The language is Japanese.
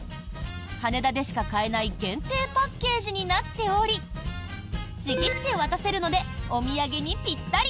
羽田でしか買えない限定パッケージになっておりちぎって渡せるのでお土産にぴったり。